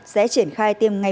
sẽ triển khai tiêm ngay